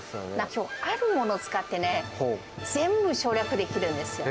きょうはあるものを使ってね、全部省略できるんですよ。